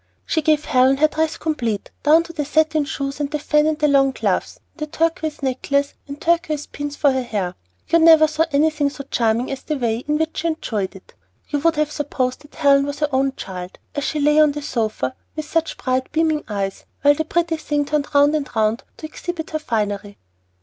She gave Helen her dress complete, down to the satin shoes, and the fan and the long gloves, and a turquoise necklace, and turquoise pins for her hair. You never saw anything so charming as the way in which she enjoyed it. You would have supposed that Helen was her own child, as she lay on the sofa, with such bright beaming eyes, while the pretty thing turned round and round to exhibit her finery."